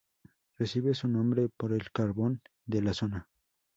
Recibe su nombre por el carbón de la zona.